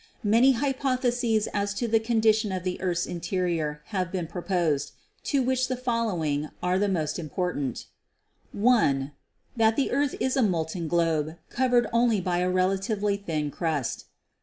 Many hypotheses as to the condition of the earth's interior have been proposed, of which the follow ing are the most important: (1) That the earth is a mol ten globe, covered only by a relatively thin crust.